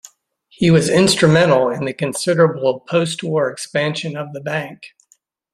He was instrumental in the considerable post-war expansion of the bank.